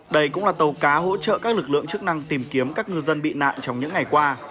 đây cũng là tàu cá hỗ trợ các lực lượng chức năng tìm kiếm các ngư dân bị nạn trong những ngày qua